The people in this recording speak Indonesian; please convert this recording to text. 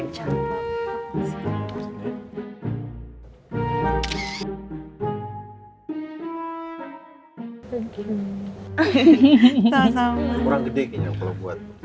ini kurang gede kayaknya kalau buat